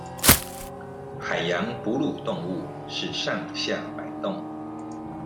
海洋哺乳動物是上下擺動